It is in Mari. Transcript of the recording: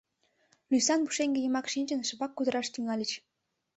Лӱсан пушеҥге йымак шинчын, шыпак кутыраш тӱҥальыч.